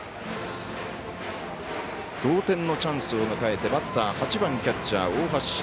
同点のチャンスを迎えてバッター８番、キャッチャー、大橋。